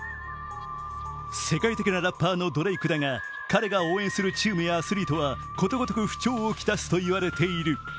世界的なラッパーのドレイクだが彼が応援するチームやアスリートはことごとく不調を来すといわれている。